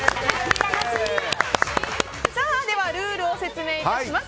ルールを説明いたします。